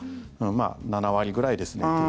まあ７割ぐらいですね。